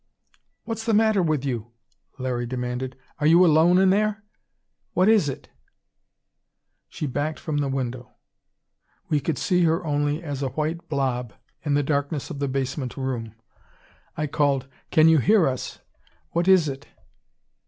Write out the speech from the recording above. "What's the matter with you?" Larry demanded. "Are you alone in there? What is it?" She backed from the window; we could see her only as a white blob in the darkness of the basement room. I called, "Can you hear us? What is it?"